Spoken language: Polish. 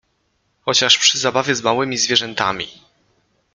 Chociaż przy zabawie z małymi zwie rzętami.